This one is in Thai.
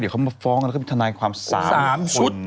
เดี๋ยวเขามะฟ้องกันนับนับยุทธนายความสาม